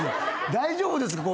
大丈夫ですか？